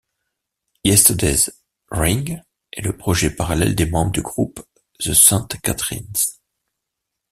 Yesterday's Ring est le projet parallèle des membres du groupe The Sainte Catherines.